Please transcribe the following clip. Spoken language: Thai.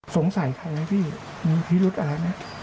สงสัยใครไหมพี่มีพิรุธอะไรไหม